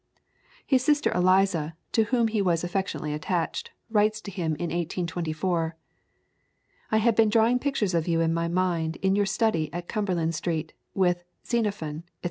His sister Eliza, to whom he was affectionately attached, writes to him in 1824: "I had been drawing pictures of you in my mind in your study at Cumberland Street with 'Xenophon,' &c.